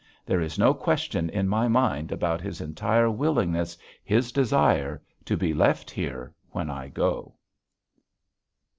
There is no question in my mind about his entire willingness, his desire, to be left here when I go.